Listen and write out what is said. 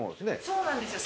そうなんですよ。